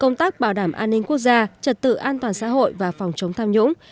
giảm an ninh quốc gia trật tự an toàn xã hội và phòng chống tham nhũng